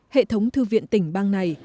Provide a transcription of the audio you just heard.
hệ thống thư viện tỉnh bang này